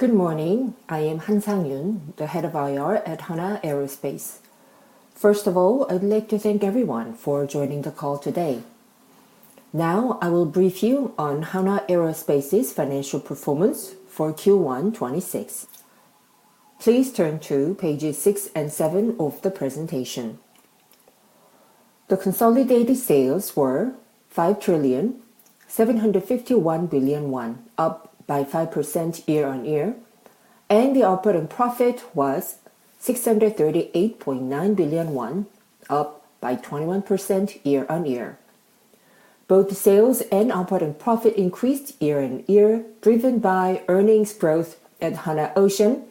Good morning. I am Han, SangYun, the Head of IR at Hanwha Aerospace. First of all, I'd like to thank everyone for joining the call today. Now, I will brief you on Hanwha Aerospace's financial performance for Q1 2026. Please turn to pages six and seven of the presentation. The consolidated sales were 5,751 billion won, up by 5% year-on-year, and the operating profit was 638.9 billion won, up by 21% year-on-year. Both sales and operating profit increased year-on-year, driven by earnings growth at Hanwha Ocean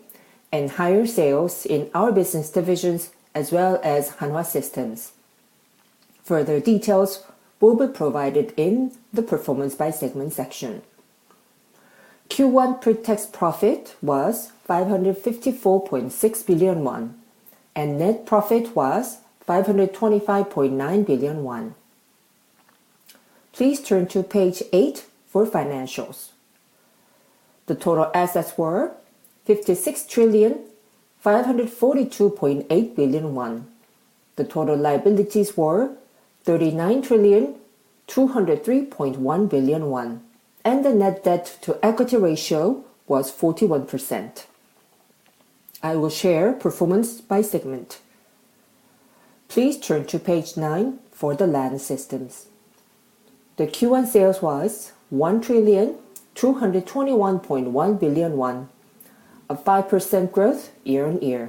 and higher sales in our business divisions as well as Hanwha Systems. Further details will be provided in the performance by segment section. Q1 pre-tax profit was 554.6 billion won, and net profit was 525.9 billion won. Please turn to page eight for financials. The total assets were 56,542.8 billion won. The total liabilities were 39,203.1 billion won, and the net debt to equity ratio was 41%. I will share performance by segment. Please turn to page nine for the land systems. The Q1 sales was 1,221.1 billion won, a 5% growth year-on-year.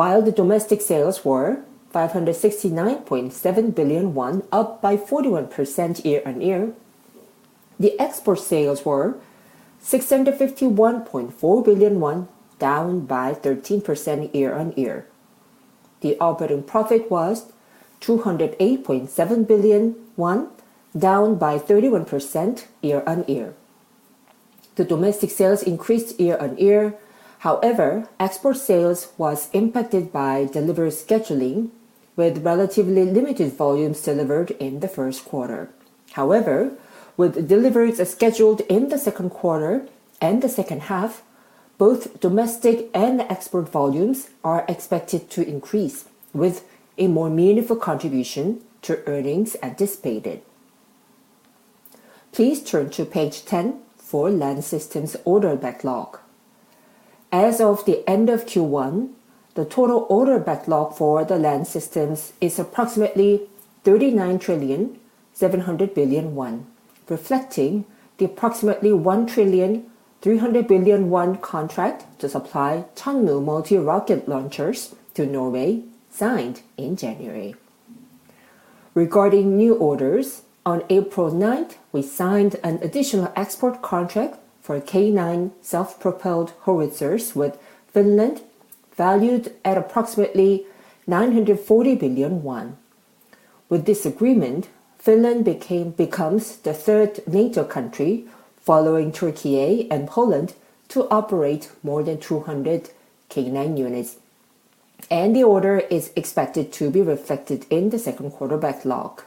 While the domestic sales were 569.7 billion won, up by 41% year-on-year, the export sales were 651.4 billion won, down by 13% year-on-year. The operating profit was 208.7 billion won, down by 31% year-on-year. The domestic sales increased year-on-year. However, export sales was impacted by delivery scheduling with relatively limited volumes delivered in the first quarter. However, with deliveries scheduled in the second quarter and the second half, both domestic and export volumes are expected to increase with a more meaningful contribution to earnings anticipated. Please turn to page 10 for land systems order backlog. As of the end of Q1, the total order backlog for the land systems is approximately 39,700 billion won, reflecting the approximately 1,300 billion won contract to supply Chunmoo multi rocket launchers to Norway signed in January. Regarding new orders, on April 9th, we signed an additional export contract for K9 self-propelled howitzers with Finland, valued at approximately 940 billion won. With this agreement, Finland becomes the third NATO country, following Turkey and Poland, to operate more than 200 K9 units, and the order is expected to be reflected in the second quarter backlog.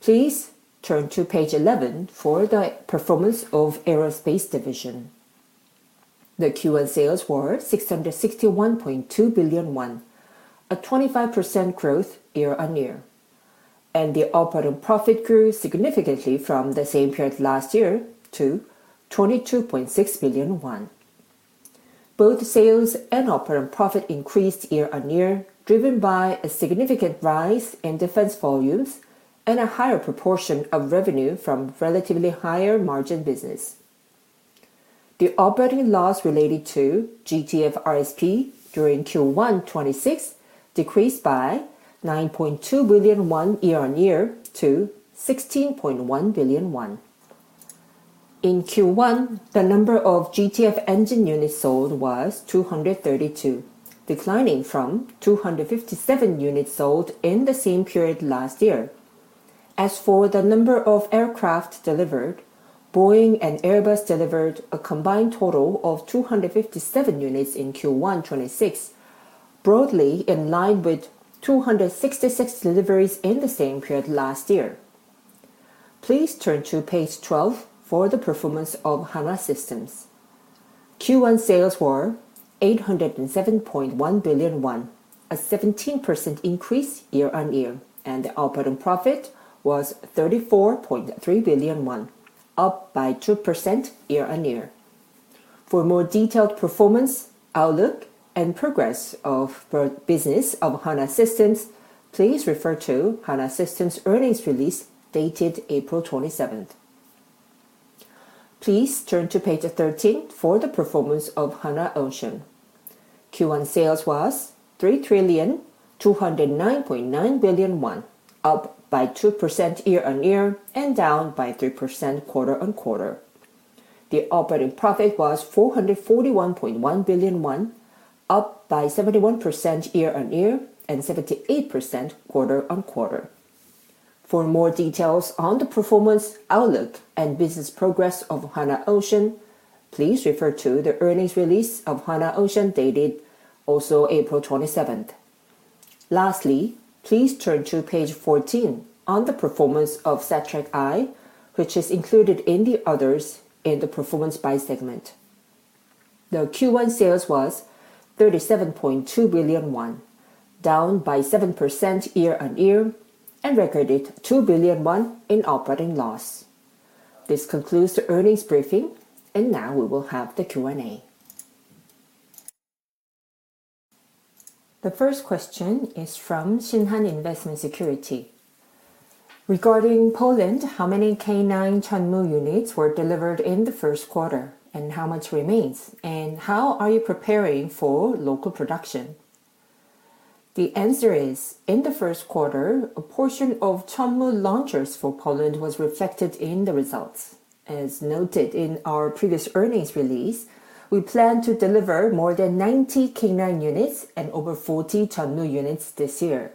Please turn to page 11 for the performance of Aerospace Division. The Q1 sales were 661.2 billion won, a 25% growth year-on-year, and the operating profit grew significantly from the same period last year to 22.6 billion won. Both sales and operating profit increased year-on-year, driven by a significant rise in defense volumes and a higher proportion of revenue from relatively higher margin business. The operating loss related to GTF RSP during Q1 2026 decreased by 9.2 billion won year-on-year to 16.1 billion won. In Q1, the number of GTF engine units sold was 232, declining from 257 units sold in the same period last year. As for the number of aircraft delivered, Boeing and Airbus delivered a combined total of 257 units in Q1 2026, broadly in line with 266 deliveries in the same period last year. Please turn to page 12 for the performance of Hanwha Systems. Q1 sales were 807.1 billion won, a 17% increase year-on-year, and the operating profit was 34.3 billion won, up by 2% year-on-year. For more detailed performance, outlook, and progress of business of Hanwha Systems, please refer to Hanwha Systems earnings release dated April 27th. Please turn to page 13 for the performance of Hanwha Ocean. Q1 sales was 3,209.9 billion won, up by 2% year-over-year and down by 3% quarter-over-quarter. The operating profit was 441.1 billion won, up by 71% year-on-year and 78% quarter-on-quarter. For more details on the performance outlook and business progress of Hanwha Ocean, please refer to the earnings release of Hanwha Ocean dated also April 27th. Please turn to page 14 on the performance of Satrec I, which is included in the others in the performance by segment. The Q1 sales was 37.2 billion won, down by 7% year-on-year, and recorded 2 billion won in operating loss. This concludes the earnings briefing, and now we will have the Q&A. The first question is from Shinhan Investment Securities. Regarding Poland, how many K9 Chunmoo units were delivered in the first quarter, and how much remains? How are you preparing for local production? The answer is, in the first quarter, a portion of Chunmoo launchers for Poland was reflected in the results. As noted in our previous earnings release, we plan to deliver more than 90 K9 units and over 40 Chunmoo units this year.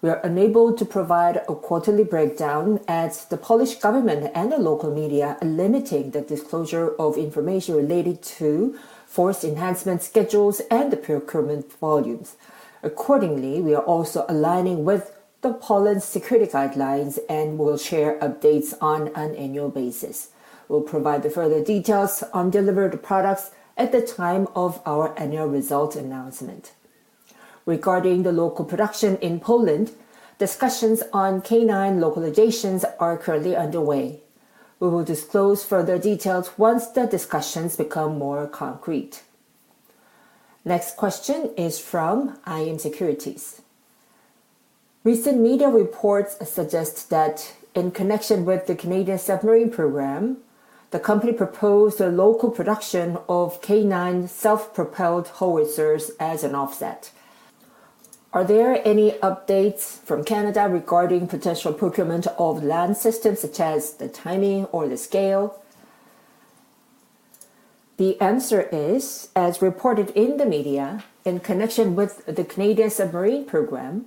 We are unable to provide a quarterly breakdown as the Polish government and the local media are limiting the disclosure of information related to force enhancement schedules and the procurement volumes. Accordingly, we are also aligning with the Poland security guidelines and will share updates on an annual basis. We'll provide the further details on delivered products at the time of our annual result announcement. Regarding the local production in Poland, discussions on K9 localizations are currently underway. We will disclose further details once the discussions become more concrete. Next question is from IM Securities. Recent media reports suggest that in connection with the Canadian submarine program, the company proposed a local production of K9 self-propelled howitzers as an offset. Are there any updates from Canada regarding potential procurement of land systems, such as the timing or the scale? The answer is, as reported in the media, in connection with the Canadian submarine program,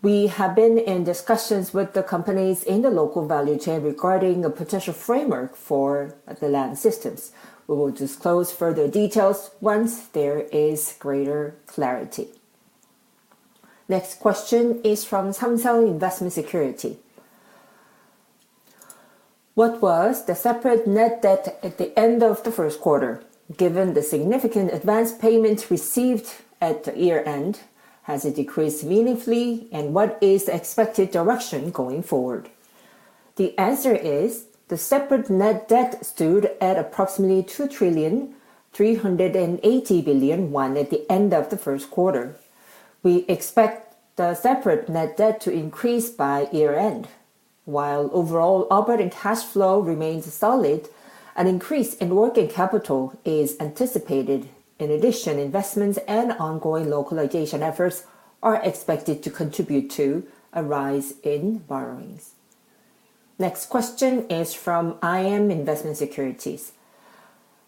we have been in discussions with the companies in the local value chain regarding a potential framework for the land systems. We will disclose further details once there is greater clarity. Next question is from Samsung Investment Securities. What was the separate net debt at the end of the first quarter? Given the significant advance payment received at the year-end, has it decreased meaningfully, and what is the expected direction going forward? The answer is the separate net debt stood at approximately 2,380 billion won at the end of the first quarter. We expect the separate net debt to increase by year-end. While overall operating cash flow remains solid, an increase in working capital is anticipated. In addition, investments and ongoing localization efforts are expected to contribute to a rise in borrowings. Next question is from IM Investment Securities.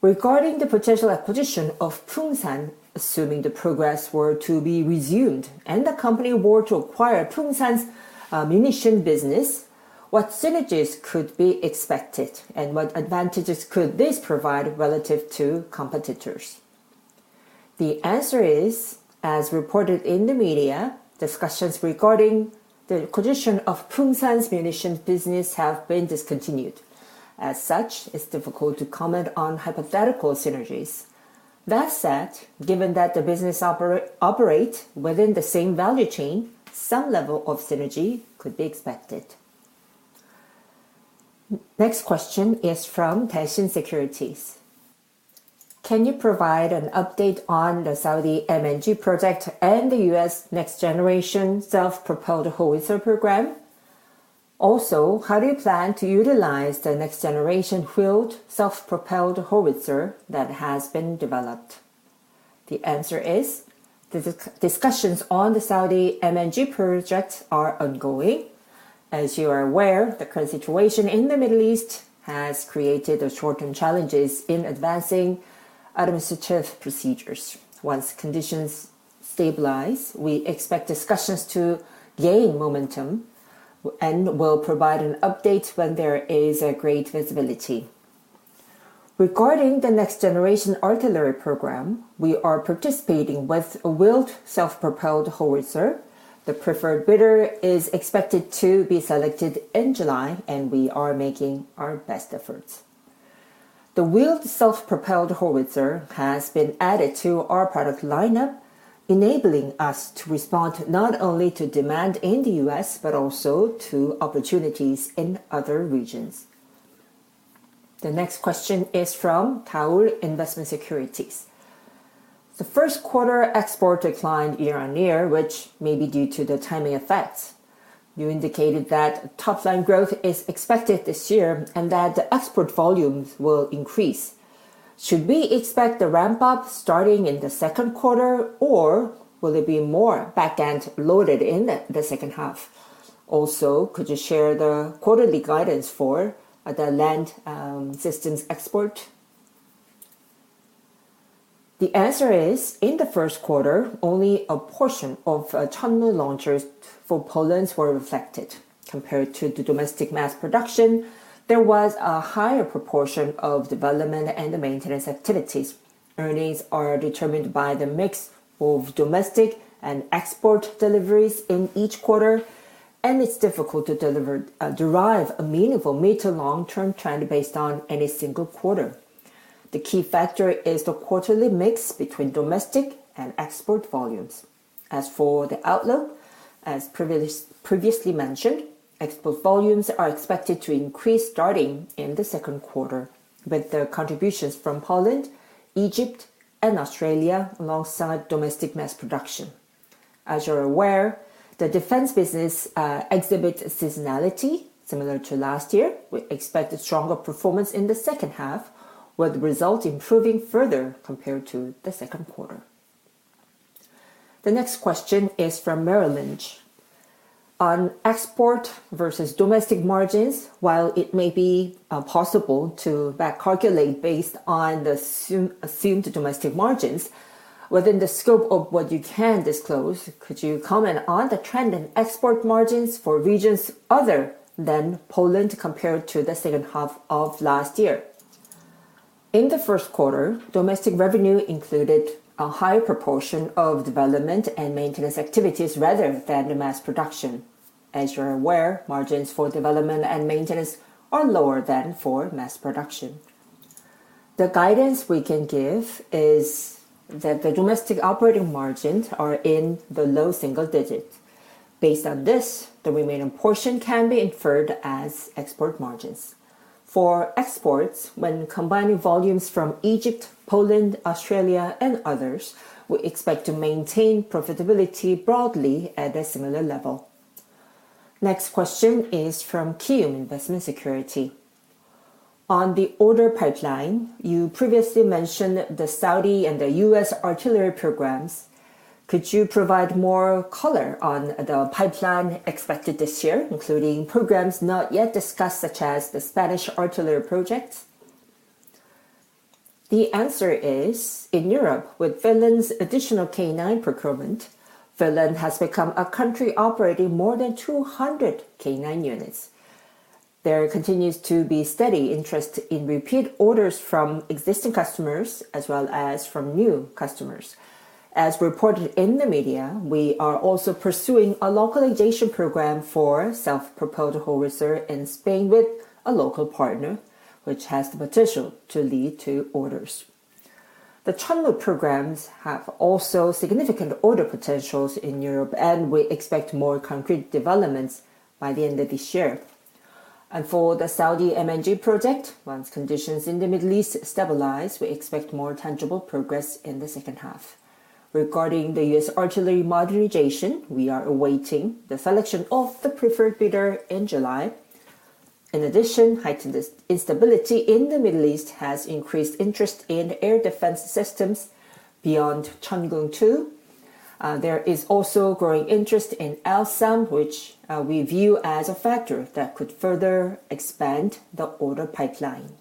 Regarding the potential acquisition of Poongsan, assuming the progress were to be resumed and the company were to acquire Poongsan's munition business, what synergies could be expected, and what advantages could this provide relative to competitors? The answer is, as reported in the media, discussions regarding the acquisition of Poongsan's munition business have been discontinued. As such, it's difficult to comment on hypothetical synergies. That said, given that the business operate within the same value chain, some level of synergy could be expected. Next question is from Daishin Securities. Can you provide an update on the Saudi MNG project and the US next-generation self-propelled howitzer program? Also, how do you plan to utilize the next-generation wheeled self-propelled howitzer that has been developed? The answer is the discussions on the Saudi MNG project are ongoing. As you are aware, the current situation in the Middle East has created short-term challenges in advancing administrative procedures. Once conditions stabilize, we expect discussions to gain momentum and will provide an update when there is a great visibility. Regarding the next-generation artillery program, we are participating with a wheeled self-propelled howitzer. The preferred bidder is expected to be selected in July, and we are making our best efforts. The wheeled self-propelled howitzer has been added to our product lineup, enabling us to respond not only to demand in the U.S., but also to opportunities in other regions. The next question is from Daol Investment and Securities. The first quarter export declined year-on-year, which may be due to the timing effects. You indicated that top-line growth is expected this year and that the export volumes will increase. Should we expect the ramp up starting in the second quarter, or will it be more back-end loaded in the second half? Could you share the quarterly guidance for the land systems export? The answer is, in the first quarter, only a portion of Chunmoo launchers for Poland were reflected. Compared to the domestic mass production, there was a higher proportion of development and maintenance activities. Earnings are determined by the mix of domestic and export deliveries in each quarter, it's difficult to derive a meaningful mid to long-term trend based on any single quarter. The key factor is the quarterly mix between domestic and export volumes. As for the outlook, as previously mentioned, export volumes are expected to increase starting in the second quarter with the contributions from Poland, Egypt, and Australia alongside domestic mass production. As you're aware, the defense business exhibits seasonality similar to last year. We expect a stronger performance in the second half, with results improving further compared to the second quarter. The next question is from Merrill Lynch. On export versus domestic margins, while it may be possible to back calculate based on the assumed domestic margins, within the scope of what you can disclose, could you comment on the trend in export margins for regions other than Poland compared to the second half of last year? In the first quarter, domestic revenue included a higher proportion of development and maintenance activities rather than mass production. As you're aware, margins for development and maintenance are lower than for mass production. The guidance we can give is that the domestic operating margins are in the low single digits. Based on this, the remaining portion can be inferred as export margins. For exports, when combining volumes from Egypt, Poland, Australia, and others, we expect to maintain profitability broadly at a similar level. Next question is from Kiwoom Investment and Securities. On the order pipeline, you previously mentioned the Saudi and the U.S. artillery programs. Could you provide more color on the pipeline expected this year, including programs not yet discussed, such as the Spanish artillery project? The answer is, in Europe, with Finland's additional K9 procurement, Finland has become a country operating more than 200 K9 units. There continues to be steady interest in repeat orders from existing customers as well as from new customers. As reported in the media, we are also pursuing a localization program for self-propelled howitzer in Spain with a local partner, which has the potential to lead to orders The Chunmoo programs have also significant order potentials in Europe. We expect more concrete developments by the end of this year. For the Saudi MNG project, once conditions in the Middle East stabilize, we expect more tangible progress in the second half. Regarding the U.S. artillery modernization, we are awaiting the selection of the preferred bidder in July. In addition, heightened instability in the Middle East has increased interest in air defense systems beyond Cheongung II. There is also growing interest in L-SAM, which we view as a factor that could further expand the order pipeline.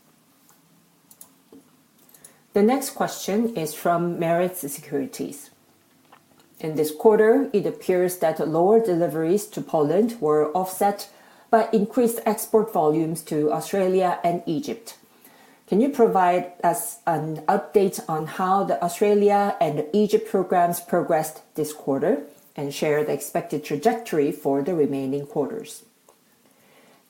The next question is from Meritz Securities. In this quarter, it appears that lower deliveries to Poland were offset by increased export volumes to Australia and Egypt. Can you provide us an update on how the Australia and Egypt programs progressed this quarter and share the expected trajectory for the remaining quarters?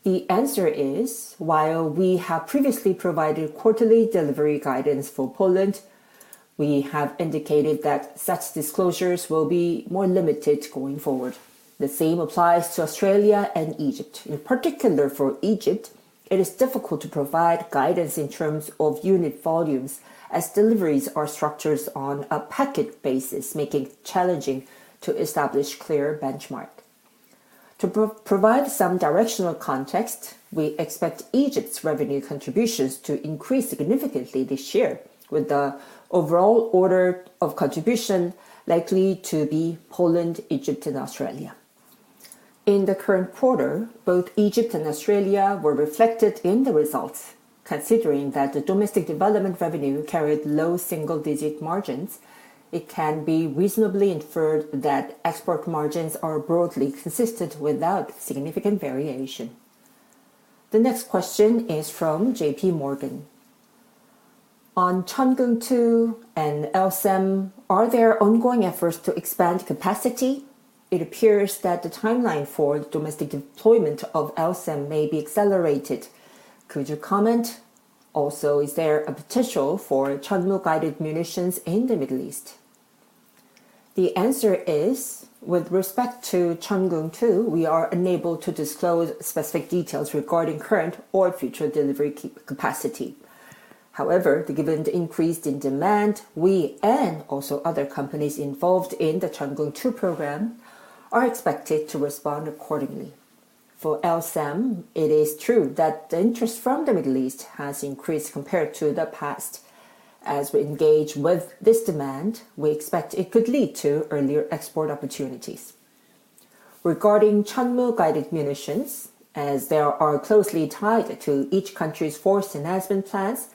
The answer is, while we have previously provided quarterly delivery guidance for Poland, we have indicated that such disclosures will be more limited going forward. The same applies to Australia and Egypt. In particular, for Egypt, it is difficult to provide guidance in terms of unit volumes as deliveries are structured on a packet basis, making it challenging to establish clear benchmark. To provide some directional context, we expect Egypt's revenue contributions to increase significantly this year, with the overall order of contribution likely to be Poland, Egypt, and Australia. In the current quarter, both Egypt and Australia were reflected in the results. Considering that the domestic development revenue carried low single-digit margins, it can be reasonably inferred that export margins are broadly consistent without significant variation. The next question is from JPMorgan. On Cheongung II and L-SAM, are there ongoing efforts to expand capacity? It appears that the timeline for domestic deployment of L-SAM may be accelerated. Could you comment? Is there a potential for Chunmoo guided munitions in the Middle East? The answer is, with respect to Cheongung II, we are unable to disclose specific details regarding current or future delivery capacity. The given increase in demand, we and also other companies involved in the Cheongung II program are expected to respond accordingly. For L-SAM, it is true that the interest from the Middle East has increased compared to the past. As we engage with this demand, we expect it could lead to earlier export opportunities. Regarding Chunmoo guided munitions, as they are closely tied to each country's force enhancement plans,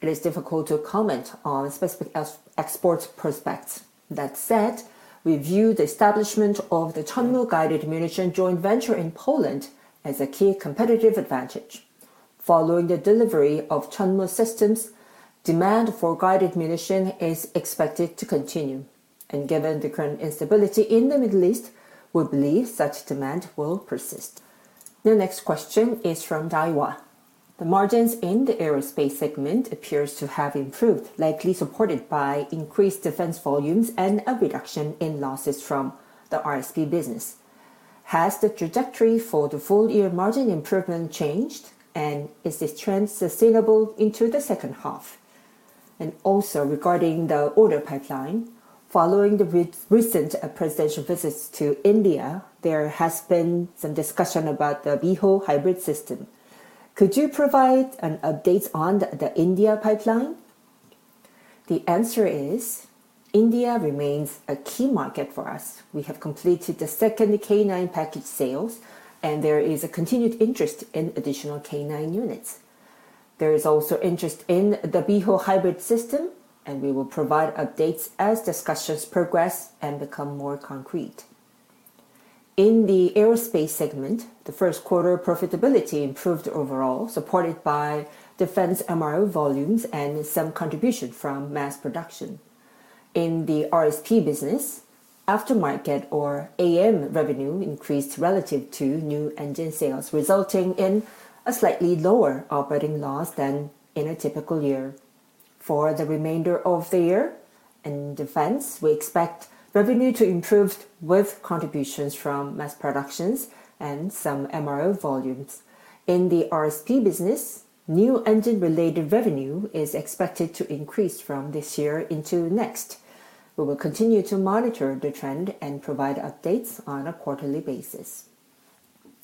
it is difficult to comment on specific export prospects. That said, we view the establishment of the Chunmoo guided munition joint venture in Poland as a key competitive advantage. Following the delivery of Chunmoo systems, demand for guided munition is expected to continue. Given the current instability in the Middle East, we believe such demand will persist. The next question is from Daiwa. The margins in the aerospace segment appears to have improved, likely supported by increased defense volumes and a reduction in losses from the RSP business. Has the trajectory for the full year margin improvement changed, and is this trend sustainable into the second half? Also regarding the order pipeline, following the recent presidential visits to India, there has been some discussion about the Biho Hybrid system. Could you provide an update on the India pipeline? The answer is India remains a key market for us. We have completed the second K9 package sales, and there is a continued interest in additional K9 units. There is also interest in the Biho Hybrid system, and we will provide updates as discussions progress and become more concrete. In the aerospace segment, the first quarter profitability improved overall, supported by defense MRO volumes and some contribution from mass production. In the RSP business, aftermarket or AM revenue increased relative to new engine sales, resulting in a slightly lower operating loss than in a typical year. For the remainder of the year, in defense, we expect revenue to improve with contributions from mass productions and some MRO volumes. In the RSP business, new engine-related revenue is expected to increase from this year into next. We will continue to monitor the trend and provide updates on a quarterly basis.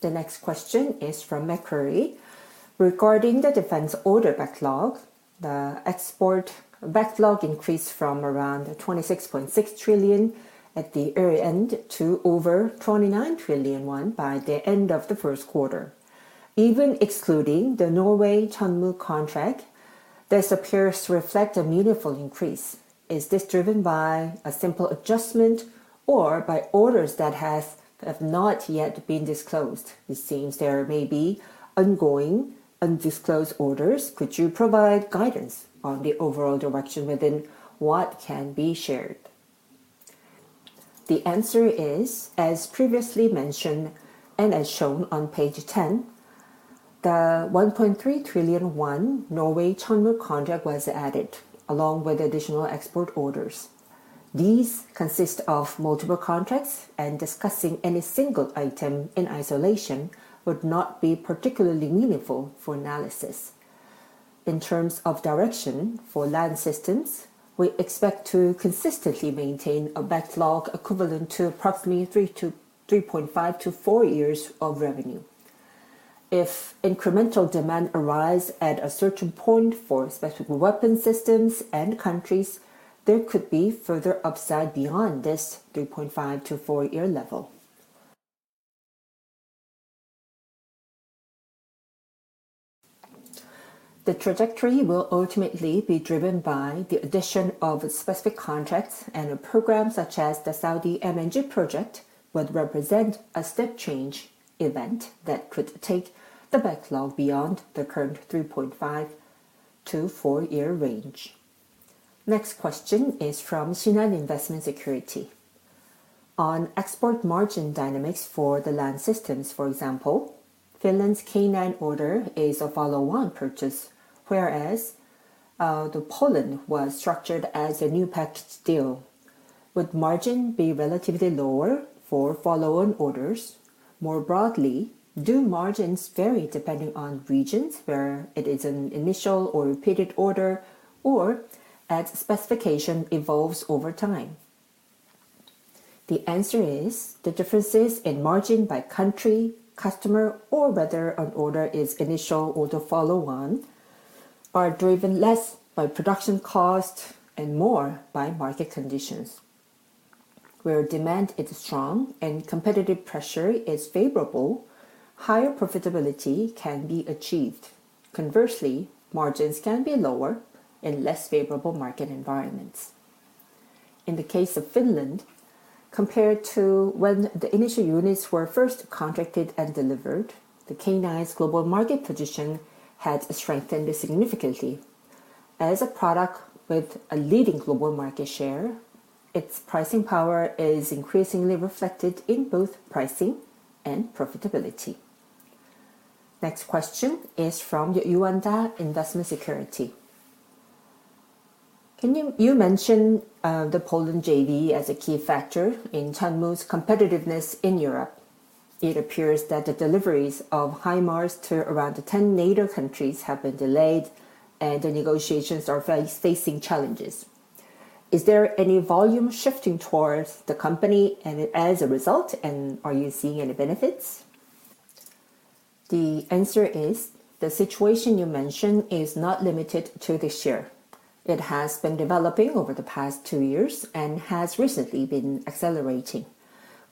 The next question is from Macquarie. Regarding the defense order backlog, the export backlog increased from around 26.6 trillion at the year-end to over 29 trillion won by the end of the first quarter. Even excluding the Norway Chunmoo contract, this appears to reflect a meaningful increase. Is this driven by a simple adjustment or by orders that have not yet been disclosed? It seems there may be ongoing undisclosed orders. Could you provide guidance on the overall direction within what can be shared? The answer is, as previously mentioned and as shown on page 10, the 1.3 trillion won Norway Chunmoo contract was added, along with additional export orders. These consist of multiple contracts, discussing any single item in isolation would not be particularly meaningful for analysis. In terms of direction for land systems, we expect to consistently maintain a backlog equivalent to approximately 3.5 to four years of revenue. If incremental demand arise at a certain point for specific weapon systems and countries, there could be further upside beyond this 3.5 to four year level. The trajectory will ultimately be driven by the addition of specific contracts and a program such as the Saudi MNG project would represent a step change event that could take the backlog beyond the current 3.5 to four year range. Next question is from Shinhan Investment Securities. On export margin dynamics for the land systems, for example, Finland's K9 order is a follow on purchase, whereas the Poland was structured as a new package deal. Would margin be relatively lower for follow-on orders? More broadly, do margins vary depending on regions where it is an initial or repeated order or as specification evolves over time? The answer is the differences in margin by country, customer, or whether an order is initial or the follow on are driven less by production cost and more by market conditions. Where demand is strong and competitive pressure is favorable, higher profitability can be achieved. Conversely, margins can be lower in less favorable market environments. In the case of Finland, compared to when the initial units were first contracted and delivered, the K9's global market position has strengthened significantly. As a product with a leading global market share, its pricing power is increasingly reflected in both pricing and profitability. Next question is from Yuanta Investment Securities. You mentioned the Poland JV as a key factor in Chunmoo's competitiveness in Europe. It appears that the deliveries of HIMARS to around the 10 NATO countries have been delayed and the negotiations are facing challenges. Is there any volume shifting towards the company and as a result, are you seeing any benefits? The answer is the situation you mentioned is not limited to this year. It has been developing over the past two years and has recently been accelerating.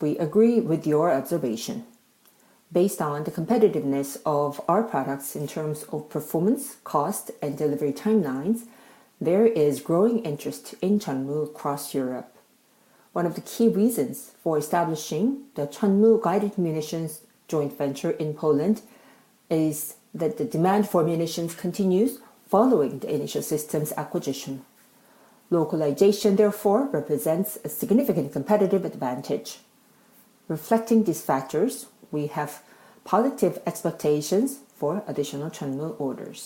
We agree with your observation. Based on the competitiveness of our products in terms of performance, cost, and delivery timelines, there is growing interest in Chunmoo across Europe. One of the key reasons for establishing the Chunmoo guided munitions joint venture in Poland is that the demand for munitions continues following the initial systems acquisition. Localization, therefore, represents a significant competitive advantage. Reflecting these factors, we have positive expectations for additional Chunmoo orders.